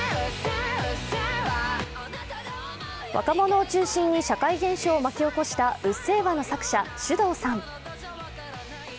若者を中心に社会現象を巻き起こした「うっせぇわ」の作者、ｓｙｕｄｏｕさん。